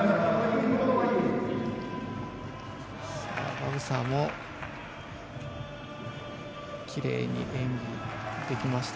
バブサーもきれいに演技できました。